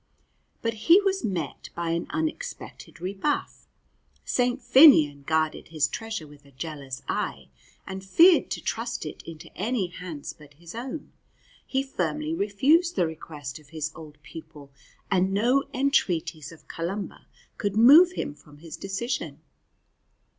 But he was met by an unexpected rebuff; St. Finnian guarded his treasure with a jealous eye, and feared to trust it in any hands but his own. He firmly refused the request of his old pupil, and no entreaties of Columba could move him from his decision.